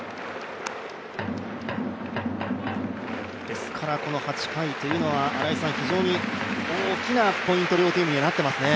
ですからこの８回というのは大きなポイントに両チームなっていますね。